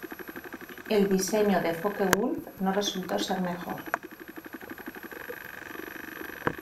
El diseñó de Focke Wulf no resultó ser mejor.